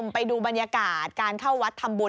ไปดูบรรยากาศการเข้าวัดทำบุญ